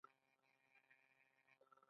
د میرمنو کار د کورنۍ عاید لوړوي.